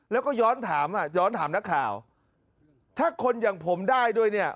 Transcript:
แล้วก็ย้อนถามนักข่าวถ้าคนอย่างผมได้ด้วยเนี่ย